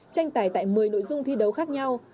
tranh tài tại một mươi nội dung thi đấu khác nhau